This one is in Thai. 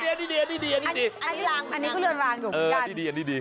อันนี้ดีอันนี้ก็เรือนลางอยู่